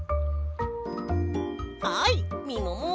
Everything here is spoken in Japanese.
はいみもも。